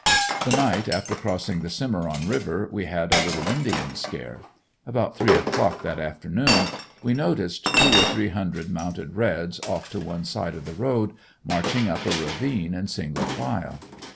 The night after crossing the Cimeron river we had a little indian scare. About three o'clock that afternoon we noticed two or three hundred mounted reds, off to one side of the road, marching up a ravine in single file.